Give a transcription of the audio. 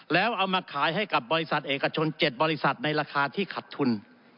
แล้วเอามาขายให้กับบริษัทเอกชน๗บริษัทในราคาที่ขัดทุน